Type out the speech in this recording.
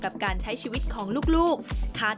เธออยากให้ชี้แจ่งความจริง